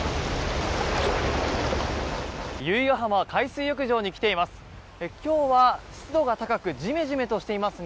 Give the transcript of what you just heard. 由比ガ浜海水浴場に来ています。